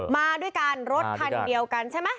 มาด้วยกันรถคันเดียวกันใช่ไหม